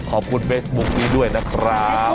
ขอบคุณเฟซบุ๊คนี้ด้วยนะครับ